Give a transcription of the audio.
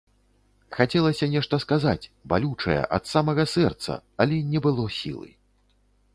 Хацелася нешта сказаць, балючае, ад самага сэрца, але не было сілы.